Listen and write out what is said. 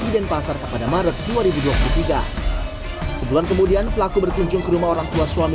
dan pasar kepada maret dua ribu dua puluh tiga sebulan kemudian pelaku berkunjung ke rumah orang tua suami